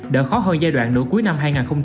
đỡ khó hơn giai đoạn nửa cuối năm hai nghìn hai mươi